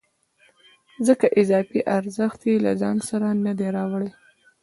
ځکه اضافي ارزښت یې له ځان سره نه دی راوړی